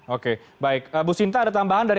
oke baik bu sinta ada tambahan dari